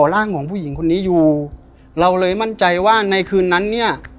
ร่างของผู้หญิงคนนี้อยู่เราเลยมั่นใจว่าในคืนนั้นเนี่ย